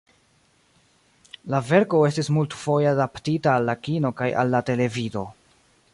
La verko estis multfoje adaptita al la kino kaj al la televido.